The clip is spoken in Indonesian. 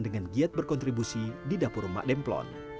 dengan giat berkontribusi di dapur mak demplon